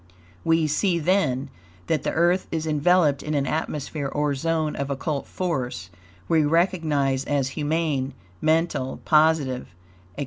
We see, then, that the Earth is enveloped in an atmosphere, or zone, of occult force we recognize as humane, mental, positive, etc.